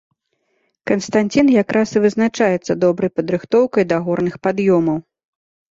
Канстанцін якраз і вызначаецца добрай падрыхтоўкай да горных пад'ёмаў.